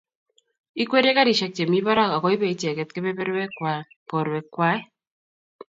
Ikwerie garisiek chemi barak akoibe icheget kebeberwekan borwek Kwai